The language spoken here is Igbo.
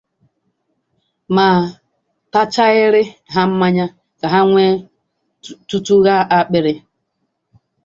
ma tachaịrị ha mmanya ka ha wee tútùghaa akpịrị